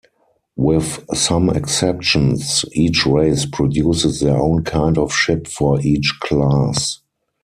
With some exceptions, each race produces their own kind of ship for each class.